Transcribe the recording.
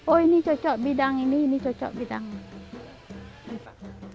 oh ini cocok bidang ini ini cocok bidang ini pak